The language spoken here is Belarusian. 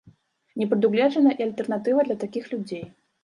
Не прадугледжана і альтэрнатыва для такіх людзей.